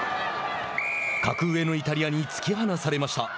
格上のイタリアに突き放されました。